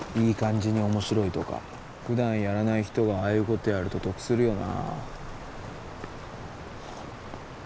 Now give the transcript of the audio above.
いい感じに面白いとか普段やらない人がああいうことやると得するよな